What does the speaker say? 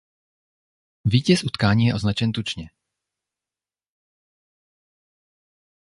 Vítěz utkání je označen tučně.